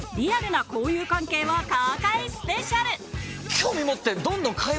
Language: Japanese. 興味持って。